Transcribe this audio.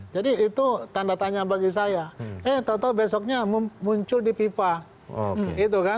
jadi itu tanda tanya bagi saya eh tau tau besoknya muncul di fifa